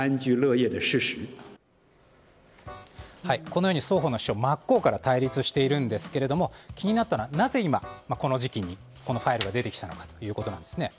このように双方の主張真っ向から対立しているんですが気になったのは、なぜ今この時期にこのファイルが出てきたのかということです。